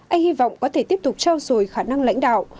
anh hy vọng có thể tiếp tục trao dồi khả năng lãnh đạo